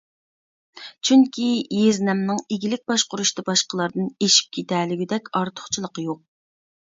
چۈنكى يېزنەمنىڭ ئىگىلىك باشقۇرۇشتا باشقىلاردىن ئېشىپ كېتەلىگۈدەك ئارتۇقچىلىقى يوق.